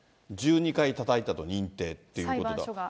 １２回たたいたと認定っていうこ裁判所が。